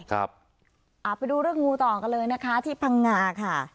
ไปดูเรื่องงูต่อกันเลยนะคะที่พังงาค่ะ